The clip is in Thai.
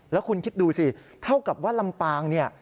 แล้วคุณคิดดูสิเท่ากับว่าลำปางเนี่ย